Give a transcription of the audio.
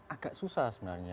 agak susah sebenarnya